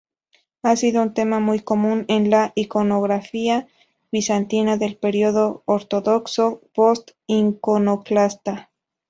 Ha sido un tema muy común en la iconografía bizantina del periodo ortodoxo post-iconoclasta.